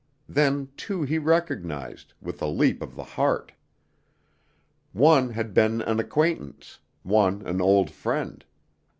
Then two he recognized, with a leap of the heart. One had been an acquaintance, one an old friend.